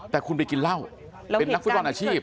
แต่คุณไปกินเหล้าเป็นนักฟุตบอลอาชีพ